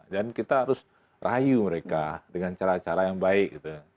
dan kita harus rayu mereka dengan cara cara yang baik